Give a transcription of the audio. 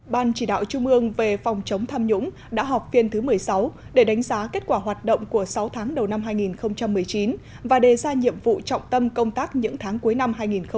ban chỉ đạo trung ương về phòng chống tham nhũng đã họp phiên thứ một mươi sáu để đánh giá kết quả hoạt động của sáu tháng đầu năm hai nghìn một mươi chín và đề ra nhiệm vụ trọng tâm công tác những tháng cuối năm hai nghìn hai mươi